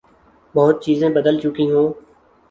بہت چیزیں بدل چکی ہوں۔